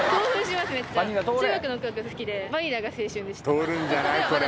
通るんじゃない？